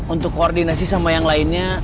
untuk koordinasi sama yang lainnya